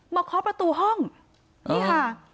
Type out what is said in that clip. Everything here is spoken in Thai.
เคาะประตูห้องนี่ค่ะ